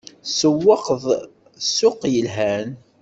Tsewweq-d ssuq yelhan.